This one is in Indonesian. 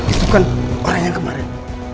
itu kan orangnya kemarin